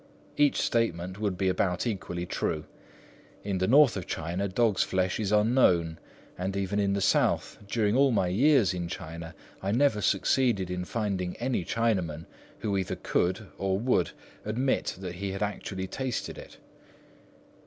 Each statement would be about equally true. In the north of China, dogs' flesh is unknown; and even in the south, during all my years in China I never succeeded in finding any Chinaman who either could, or would, admit that he had actually tasted it.